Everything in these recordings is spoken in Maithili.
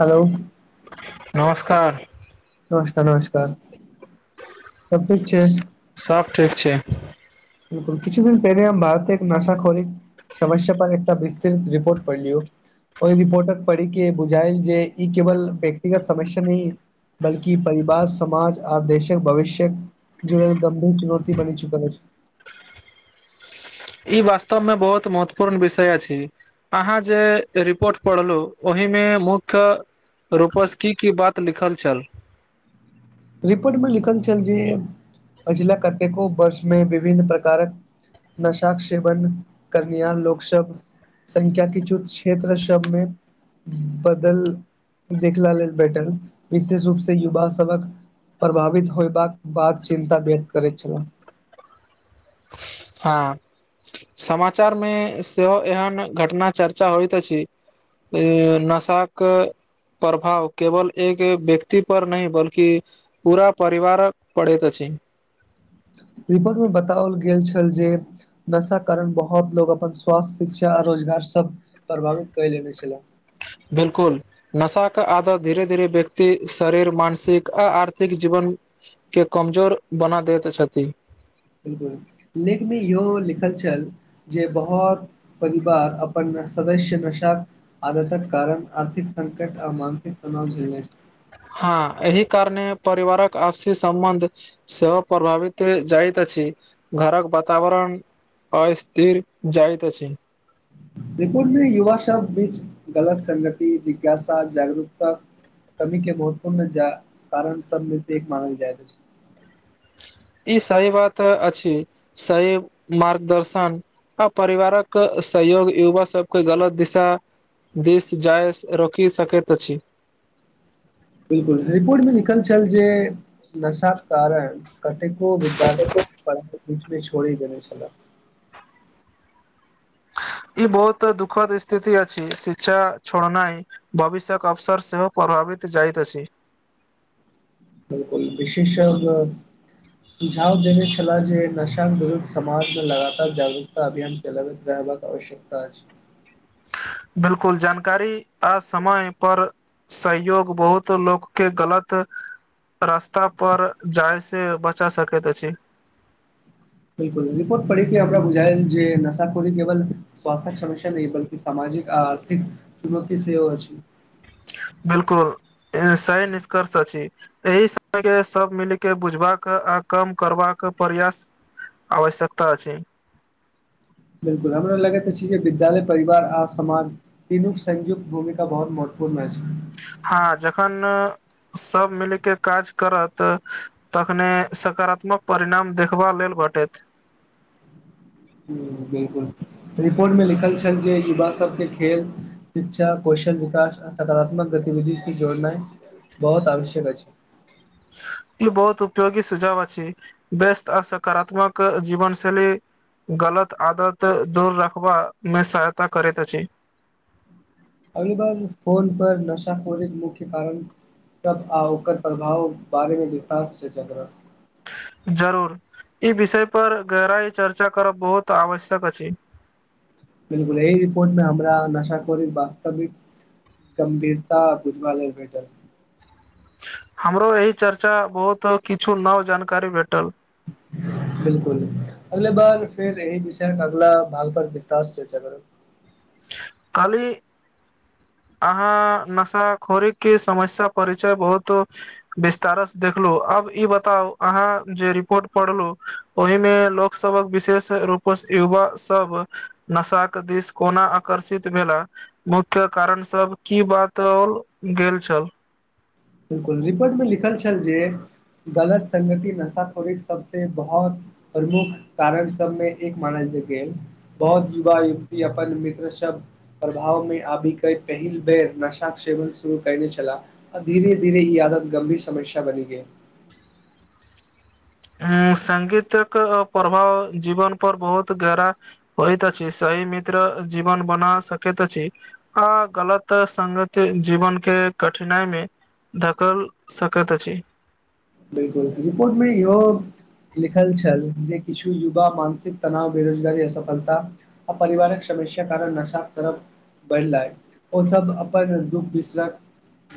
हेलो नमस्कार नमस्कार नमस्कार सब ठीक छैय? सब ठीक छैय। किछु दिन पहिले हम भारते एक नशा खली समस्या पर एकटा विस्तृत रिपोर्ट पढ़लियौ। ओहि रिपोर्टक पढ़िक के बुझायल जे ई केवल व्यक्तिगत समस्या नहि बल्कि परिवार समाज आ देशक भविष्यक जुड़ल गंभीर चुनौति बनि चुकल अछि। ई वास्तव मे बहुत महत्वपूर्ण विषय अछि। अहाँ जे रिपोर्ट पढ़लु ओहिमे मुख्य रूपसकी की बात लिखल छल। रिपोर्ट मे लिखल छल जे पछिला कतेको वर्ष मे विभिन्न प्रकारक नशाक सेवन करणिहार लोकसभ संख्या किछु क्षेत्र सबमे बदल देखला लेल बैटल विशेष रूप से युवा सबक प्रभावित होयबाक बाद चिन्ता व्यक्त करैत छलाह। हँ समाचार मे सेहो एहन घटना चर्चा होइत अछि। अ नसाक प्रभाव केवल एक व्यक्ति पर नहि बल्कि पूरा परिवार पड़ैत अछि। रिपोर्ट मे बताओल गेल छल जे नशा कारण बहुत लोग अपन स्वास्थ्य शिक्षा आ रोजगार सब प्रभावित कर लेने छला। बिलकुल नशाके आदत धीरे धीरे व्यक्ति शरीर मानसिक आ आर्थिक जीवन के कमजोर बना दैत छथि। बिलकुल लेखमे इहो लिखल छल जे बहुत परिवार अपन सदस्य नशा आदतक कारण आर्थिक संकट आ मानसिक तनाव झेलने हँ एहि कारणे परिवारक आपसी सम्बन्ध सेहो प्रभावित जाइत अछि घरक वातावरण अस्थिर जाइत अछि। रिपोर्ट मे युवा सब बीच गलत संगति जिज्ञासा जागरूकता कमी के महत्वपूर्ण जा कारण सबमे से एक मानल जाय अछि। ई सही बात अछि, सही मार्गदर्शन आ परिवारक सहयोग युवा सब क गलत दिशा दिस जाय स रोकि सकैत अछि बिल्कुल रिपोर्टमे लिखल छल जे नशा कारण कतेको विद्यार्थी पढाइके बीचमे छोड़ि देने छले ई बहुत दुःखद स्थिति अछि शिक्षा छोड़नाइ भविष्यक अवसर सेहो प्रभावित जाइत अछि बिलकुल विशेष सुझाव देने छलाह जे नशाके विरुद्ध समाजमे लगातार जागरूकता अभियान चलब रहबाक आवश्यकता अछि बिलकुल जानकारी आ समय पर सहयोग बहुत लोकके गलत रास्ता पर जाइ से बचा सकैत अछि बिलकुल रिपोर्ट पढ़िक के हमरा बुझायल जे नशाखोरी केवल स्वास्थ्य्यक समस्या नहि बल्कि सामाजिक आ आर्थिक चुनौती सेहो अछि बिलकुल इ सही निष्कर्ष अछि एहि समयके सब मिलके बुझबाक आ कम करबाक प्रयास आवश्यकता अछि बिलकुल हमरा लगैत अछी जे विद्यालय परिवार आ समाज तीनुक संयुक्त भूमिका बहुत महत्वपूर्ण अछि हँ जखन सब मिलके काज करत तखने सकारात्मक परिणाम देखबा लेल भेटैत ह्म बिलकुल रिपोर्टमे लिखल छल जे युवा सभके खेल शिक्षा कौशल विकास आ सकारात्मक गतिविधि से जोड़नाइ बहुत आवश्यक अछि ई बहुत उपयोगी सुझाव अछि बेस्त आर सकारातात्मक जीवनशैली गलत आदत दूर रखबामे सहायता करैत अची अगी बार फोन पर नशा खोरी मुख्य कारण सब आ ओकर प्रभाव बारेमे विशास छै चक्र जरूर ई विषय पर गहराई चर्चा करब बहुत आवश्यक अछि बिलकुल एहि रिपोर्ट मे हमरा नशा खोरी वास्तविक गंभीरता बुझबाले भेटल हमरो एहि चर्चा बहुत किछु नव जानकारी भेटल [inaudible] बिलकुल अगले बार फेर एहि विषय अगला भाग पर विस्तास चर्चा करू काली अहाँ नशाखोरी के समस्या परिचय बहुत विस्तारसँ देखलहु आब ई बताउ अहाँ जे रिपोर्ट पढ़लहु ओहि मे लोक सब विशेष रूप युवा सब नशा के दिस कोना आकर्षित भेला मुख्य कारण सब की बातओल गेल छल बिल्कुल रिपोर्टमे लिखल छल जे गलत संगति नशा खोड़ी सबसँ बहुत प्रमुख कारक सबमे एक मानल गेल बहुत युवा युवती अपन मित्र सब प्रभाव मे अभी के पहिल बेर नशा सेवन सेहो कैने छला धीरे धीरे ई आदत गंभीर समस्या बनी गे संगीतक प्रभाव जीवन पर बहुत गरा होइ तऽ सही मित्र जीवन बना सकैत अछि अ गलत संगत जीवन के कठिनाइ मे घकल सकत अछि बिल्कुल रिपोर्ट मे इहो लिखल छल जे किछु युवा मानसिक तनाव बेरोजगारी असफलता आ परिवारक समस्या कारण नशा करब बढ़लै ओ सब अपन दुःख बिसरै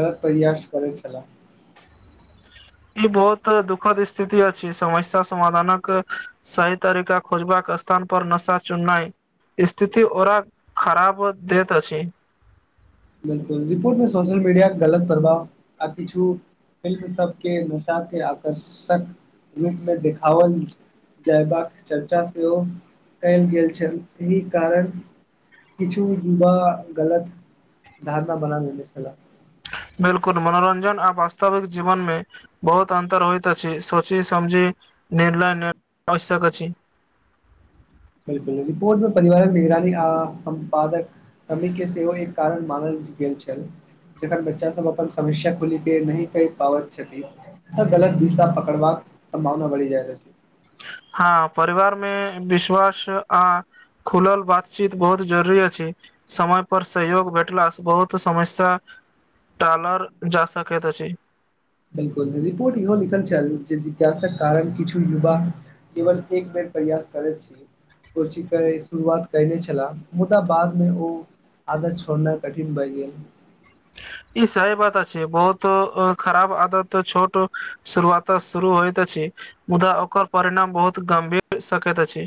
क प्रयास करै छलाह ई बहुत दुखद स्थिति में छी समस्या समाधानक सही तरिका खोजबाके स्थान पर नशा चुननाइ स्थिति ओरा खराब दैत अछि बिल्कुल रिपोर्ट मे सोशल मीडिया गलत प्रभाव आ किछु फिल्म सबके नशा के आकर्षक रूपमे देखावल जयबाक चर्चा सेहो कयल गेल छल एहि कारण किछु युवा गलत धारना बना लेने छला बिल्कुल मनोरंजन आ वास्तविक जीवनमे बहुत अंतर होइत अछि सोची समझी निर्लय आवश्यक अछि बिल्कुल रिपोर्ट परिवारिक निगरानी आ सम्पादक कमी के सेहो एक कारण मानल गेल छल जखन बच्चा सब अपन समस्या खोल के नहि कहि पाबैत छथि गलत दिशा पकड़बाक संभावना बढ़ी जाइत अछि हँ परिवारमे विश्वास आ खुलल बातचीत बहुत जरुरी अछि समय पर सहयोग भेटलास बहुत समस्या टालर जा शकैत अछि बिल्कुल रिपोर्ट इहो लिखल छाइल जिज्ञासाक कारण किछु युवा केवल एक बेर प्रयास करैत छी सोचिके शुरुआत कयने छलाह मुदा बादमे उ आदत छोड़नाइ कठिन भाय गेल। ई सही बात अछि बहुत खराब आदत छोट शुरुआत शुरू होइत अछि मुदा ओकर परिणाम बहुत गम्भीर सकैत अछि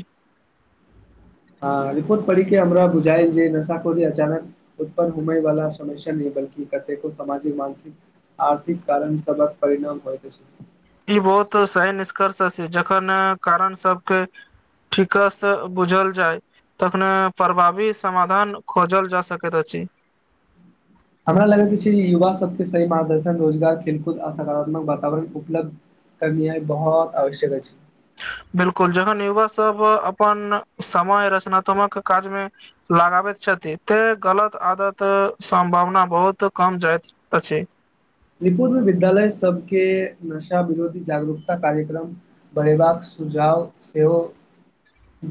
आ रिपोर्ट पढ़ि के हमरा बुझा जे नशा की अचानक उत्पन्न होय वाला समस्या नहि बल्कि कतेको सामाजिक मानसिक आर्थिक कारण सबक परिणाम होइत अछि ई बहुत सही निष्कर्ष छै जखन कारण सबके ठीकस से बुझल जाय तखने प्रभावी समाधान खोजल जा सकैत अछि हमरा लगैत अछि युवा सबके सही मार्गदर्शन रोजगार खेलकूद आ सकारात्मक वातावरण उपलब्ध [unintelligible] बहुत आवश्यक अछि बिल्कुल जखन युवा सब अपन समय रचनात्मक काज मे लगाबैत छथि ते गलत आदत सम्भावना बहुत कम जाय अछि रिपुर मे विद्यालय सबके नशा विरोधी जागरूकता कार्यक्रम बढ़ेबाक सुझाव सेहो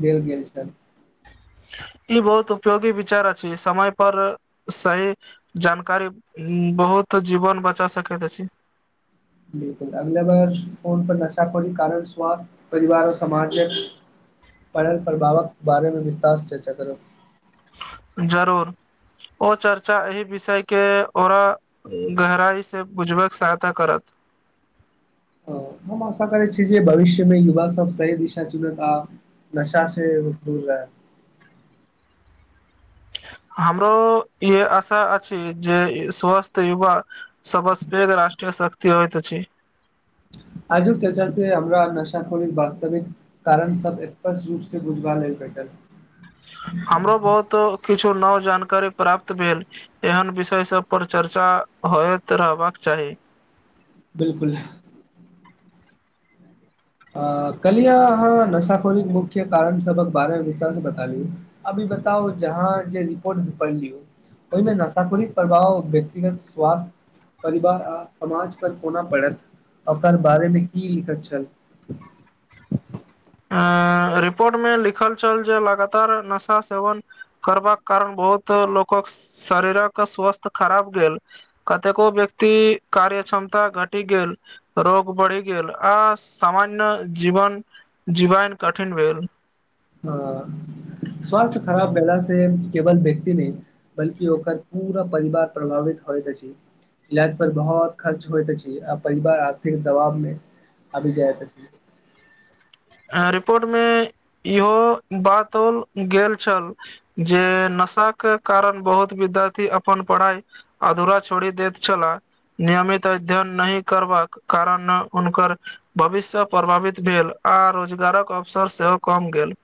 देल गेल छय ई बहुत उपयोगी विचार अछि समय पर सही जानकारी बहुत जीवन बचा सकैत अछि बिलकुल अगल बार फोन पर नशा पनी कारण स्वास्थ्य परिवार समाज पढ़ल प्रभावक बारेमे विस्तारस चर्चा करब जरूर ओ चर्चा एहि विषय के ओरा गहराइ से बुझबैक सहायता करत हम आशा करैत छी जे भविष्य में युवा सभ सही दिशा चुनत आ नशा से दूर रहै हमरो ई आशा अछि जे स्वस्थ युवा सबस पेघ राष्ट्रीय शक्ति होइत अछि आजुक चर्चा से हमरा नशाखोरी वास्तविक कारण सब स्पष्ट रूपसँ बुझबा लेल भेटल हमरो बहुत किछु नव जानकारी प्राप्त भेल। एहन विषय सब पर चर्चा होयत रहबाक चाही। बिलकुल अ कलिया अहाँ नशाफनिक मुख्य कारण सबक बारे मे विस्तार से बताली। अभी बताउ जहाँ जे रिपोर्ट पढ़लीहो। ओहि मे नशााकुरिक प्रभाव व्यक्तिगत स्वास्थ्य परिवार आ समाज पर कोना पढ़त ओकर बारे मे की लिखत छल? अ रिपोर्ट मे लिखल छल जे लगातार नशा सेवन करबाक कारण बहुत लोकक शारीरक स्वस्थ खराब भेल कतेको व्यक्ति कार्य क्षमता घटि गेल रोग बढ़ि गेल आ सामान्य जीवन जीवन कठिन भेल। ह स्वास्थ खराब भेल से केवल व्यक्ति नहि बल्कि ओकर पूरा परिवार प्रभावित होइत अछि। इलाज पर बहुत खर्च होयइत छै आ परिवार आर्थिक दबाव मे अभी जायत अछि। रिपोर्ट मे इहो बातओल गेल छल जे नशा के कारण बहुत विद्यार्थी अपन पढ़ाई अधूरा छोड़ी देैत छला। नियमित अध्यन नहि करबाक कारण हुनकर भविष्य प्रभावित भेल आ रोजगारक अवसर सेहो कम गेल।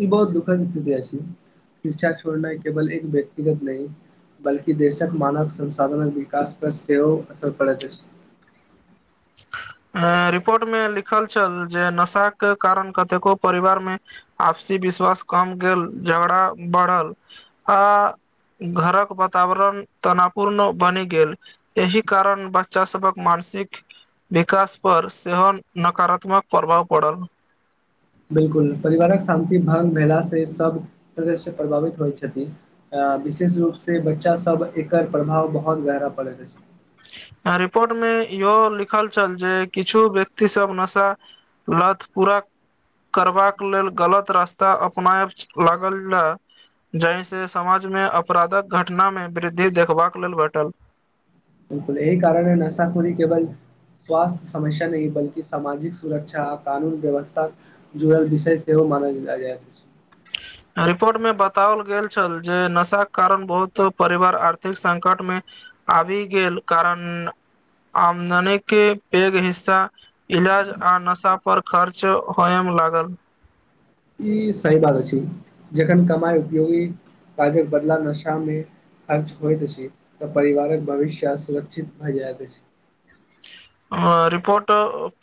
ई बहुत दुखद स्थिति अछि, शिक्षा छोड़ना केवल एक व्यक्तिगत नहि बल्कि देशक मानव संसाधन विकास पर सेहो असर पड़ैत अछि। अ रिपोर्ट मे लिखल छल जे नशाके कारण कतेको परिवारमे आपसी विश्वास कम गेल झगड़ा बढ़ल आ घरक वातावरण तनावपूर्ण बनि गेल। एहि कारण बच्चा सबक मानसिक विकास पर सेहो नकारात्मक प्रभाव पड़ल। बिलकुल परिवारक शान्ति भंग भेलासँ सब सदस्य प्रभावित होइत छथि। विशेष रूप से बच्चा सब एकर प्रभाव बहुत गहरा पड़ैत अछि। रिपोर्टमे इहो लिखल छल जे किछु व्यक्तिसभ नशा लत पुरा करबाक लेल गलत रास्ता अपनायब लागल य जहि से समाज मे अपराधक घटना मे वृद्धि देखबाक लेल भेटल। बिलकुल एहि कारणे नशा खुरी केवल स्वास्थ्य समस्या नहि बल्कि सामाजिक सुरक्षा आ कानून व्यवस्था जुड़र विषय सेहो मानल जाय अछि। रिपोर्ट मे बताओल गेल छल जे नशाक के कारण बहुत परिवार आर्थिक संकट मे आबि गेल कारण आमदने के पैघ हिस्सा इलाज आ नशा पर खर्च होयम लागल। ई सही बात अछि जखन कमाई उपयोगी काजक बदला नशा मे खर्च होइत अछि तऽ परिवारक भविष्य असुरक्षित भए जायइत अछि। रिपोर्ट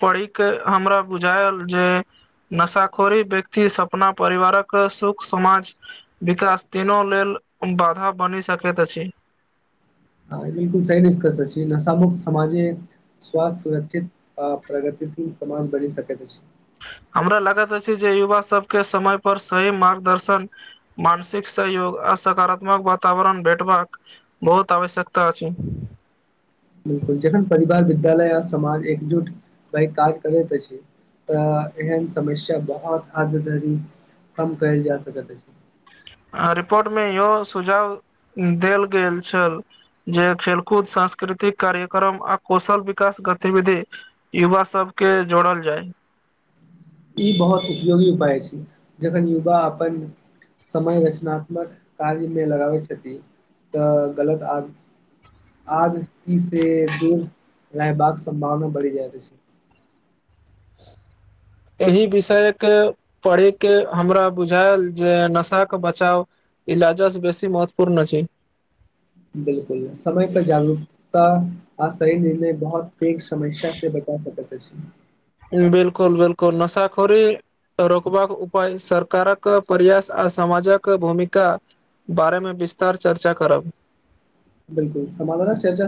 पढ़िक के हमरा बुझायल जे नशाखोरी व्यक्ति सपना परिवारक सुख समाज विकास तीनो लेल बाधा बनि सकैत अछि। ह बिलकुल सही निस्कष अछि नशा मुुक्त समाजे स्वाथ्य सुरक्षित आ प्रगतिशील समान बनि सकेत अछि। हमरा लगत अछि जे युवा सबके समय पर सही मार्गदर्शन मानसिक सहयोग आ सकारात्मक वातावरण भेटबाक बहुत आवश्यकता अछी। बिलकुल जखन परिवार विद्यालय आ समाज एकजुट भय काज करैत अछि। तऽ एहन समस्या बहुत हद धरि कम कयल जा सकैत अछि। आ रिपोर्टमे इहो सुझाव देल गेल छल जे खेलकूद सांस्कृतिक कार्यक्रम आ कौशल विकास गतिविधि युवा सब के जोड़ल जाय। ई बहुत उपयोगी उपाय छैय जखन युवा अपन समय रचनात्मक कार्यमे लगाबै छथि तऽ गलत आ आदी से दूर रहबाक सम्भावना बढ़ि जाइत अछि। एहि विषय के पढी के हमरा बुझायल जे नशा के बचाव इ लाजस बेसी महत्वपूर्ण अछि। बिलकुल समय पर जागरूक ता आ सही निर्णय बहुत पेघ समस्या से बचा सकैत अछि। बिलकुल बिलकुल नशाखोरी रोकबाक उपाय सरकारक प्रयास आ समाजक भूमिका बारेमे विस्तार चर्चा करब। बिल्कु समधानक चर्चा